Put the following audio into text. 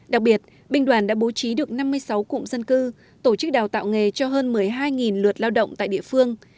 đặc biệt binh đoàn đã bố trí được năm mươi sáu cụm dân cư tổ chức đào tạo nghề cho hơn một mươi hai lượt lao động tại địa phương